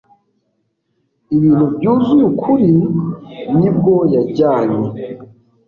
ibintu byuzuye ukuri nibwo yajyanye